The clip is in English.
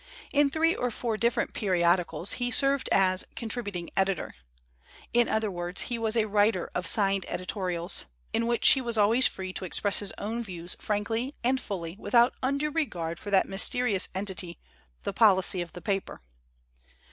In three or four different periodicals he served as " contributing editor"; in other words, he was a writer of signed editorials, in which he was always free to express his own views frankly and fully without undue regard for that mysterious entity, the " policy of the paper."